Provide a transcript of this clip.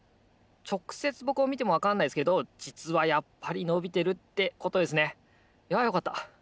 ちょくせつぼくをみてもわかんないですけどじつはやっぱりのびてるってことですねいやよかった！